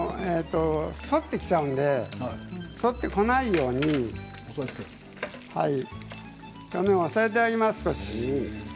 反ってきちゃうので反ってこないように少し押さえてあげます。